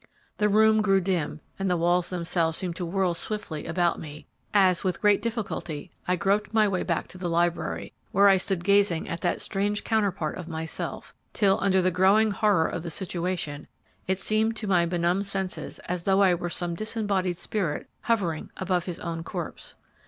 The room grew dim and the walls themselves seemed to whirl swiftly about me as, with great difficulty, I groped my way back to the library, where I stood gazing at that strange counterpart of myself, till, under the growing horror of the situation, it seemed to my benumbed senses as though I were some disembodied spirit hovering above his own corpse.